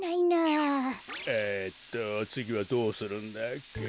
えっとつぎはどうするんだっけ？